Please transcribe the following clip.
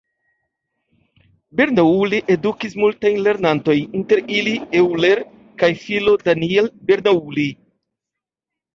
Bernoulli edukis multajn lernantojn, inter ili Euler kaj filo Daniel Bernoulli.